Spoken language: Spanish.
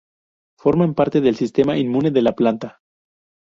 Forman parte del sistema inmune de la planta.